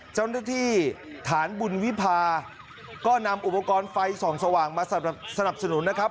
เจ้าหน้าที่ฐานบุญวิพาก็นำอุปกรณ์ไฟส่องสว่างมาสนับสนุนนะครับ